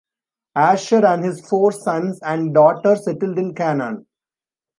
Asher and his four sons and daughter settled in Canaan.